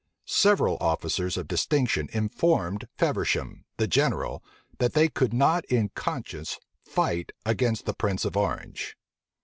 Several officers of distinction informed Feversham, the general, that they could not in conscience fight against the prince of Orange.